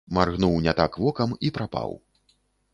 Маргнуў не так вокам і прапаў.